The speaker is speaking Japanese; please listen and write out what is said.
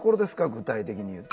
具体的に言うと。